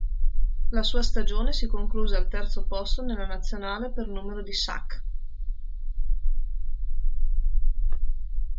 La sua stagione si concluse al terzo posto nella nazione per numero di sack.